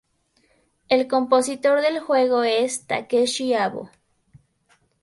El compositor del juego es Takeshi Abo.